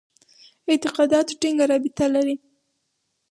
اعتقاداتو ټینګه رابطه لري.